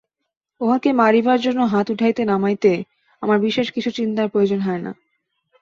উহাকে মারিবার জন্য হাত উঠাইতে নামাইতে আমার বিশেষ কিছু চিন্তার প্রয়োজন হয় না।